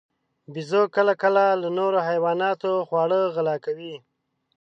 بیزو کله کله له نورو حیواناتو خواړه غلا کوي.